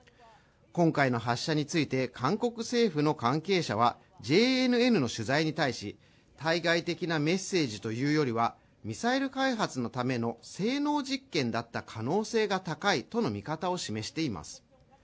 今回の発射について韓国政府の関係者はＪＮＮの取材に対し対外的なメッセージというよりはミサイル開発のための性能実験だった可能性が高いとの見方を示しています